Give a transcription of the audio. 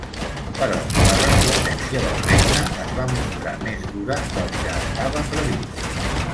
Però la resistència del regne es va mostrar més dura del que estava previst.